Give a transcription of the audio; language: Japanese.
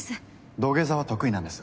土下座は得意なんです。